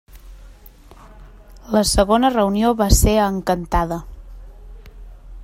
La segona reunió va ser a Encantada.